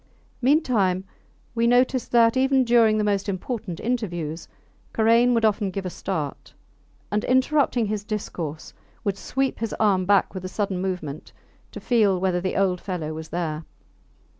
Meantime we noticed that, even during the most important interviews, Karain would often give a start, and interrupting his discourse, would sweep his arm back with a sudden movement, to feel whether the old fellow was there.